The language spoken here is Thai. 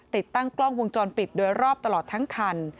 ติดตั้งกล้องวงจรปิดโดยรอบตลอดทั้งคัน